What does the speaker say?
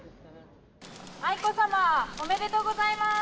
愛子さまおめでとうございます。